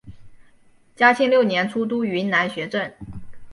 嘉庆六年出督云南学政。